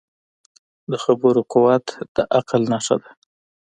د خبرو قوت د عقل نښه ده